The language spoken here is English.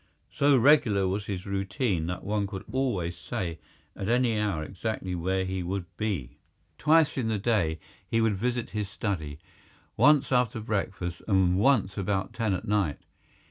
So regular was his routine that one could always say at any hour exactly where he would be. Twice in the day he would visit his study, once after breakfast, and once about ten at night.